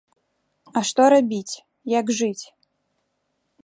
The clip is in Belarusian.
А што рабіць, як жыць?